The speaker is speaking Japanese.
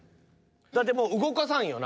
だってもう動かさんよな。